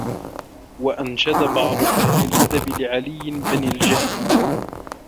وَأَنْشَدَ بَعْضُ أَهْلِ الْأَدَبِ لِعَلِيِّ بْنِ الْجَهْمِ